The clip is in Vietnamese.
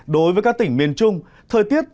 đối với các tỉnh miền trung thời tiết